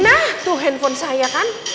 nah tuh handphone saya kan